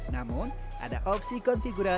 namun ada opsi konfigurasi